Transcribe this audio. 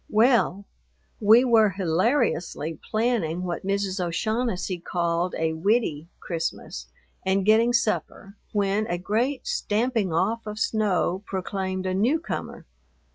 Well, we were hilariously planning what Mrs. O'Shaughnessy called a "widdy" Christmas and getting supper, when a great stamping off of snow proclaimed a newcomer.